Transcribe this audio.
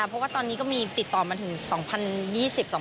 เพราะว่าตอนนี้ก็มีติดต่อมาถึง๒๐๒๒คน